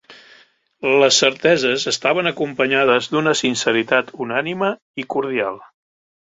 Les certeses estaven acompanyades d'una sinceritat unànime i cordial.